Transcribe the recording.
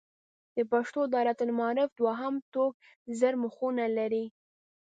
د پښتو دایرة المعارف دوهم ټوک زر مخونه لري.